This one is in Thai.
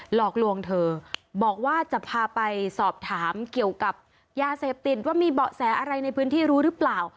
หลอกลวงเธอบอกว่าจะพาไปสอบถามเกี่ยวกับยาเสพติดว่ามีเบาะแสอะไรในพื้นที่รู้หรือเปล่า